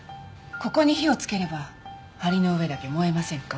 ここに火をつければ梁の上だけ燃えませんか？